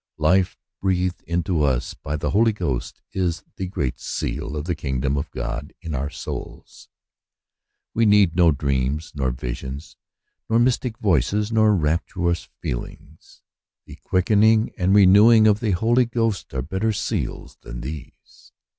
Life breathed into us by the Holy Ghost is the great seal of the kingdom of God in our souls. We need no dreams, nor visions, nor mystic voices, nor rapturous feel ings: the quickening and renewing of the Holy Ghost are better seals than these.